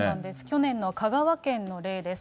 去年の香川県の例です。